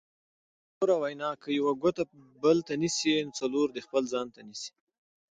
مشهوره وینا: که یوه ګوته بل ته نیسې څلور دې خپل ځان ته نیسې.